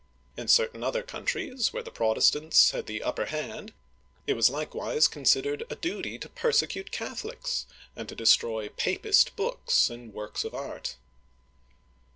In certain other countries, where the Protestants had the upper hand, it was likewise considered a duty to persecute Catholics, and to destroy " papist " books and works of art.